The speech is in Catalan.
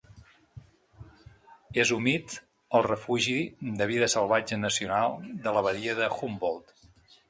és humit al refugi de vida salvatge nacional de la badia de Humboldt